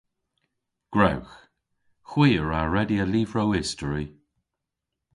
Gwrewgh. Hwi a wra redya lyvrow istori.